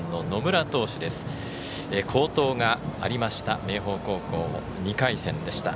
好投がありました明豊高校２回戦でした。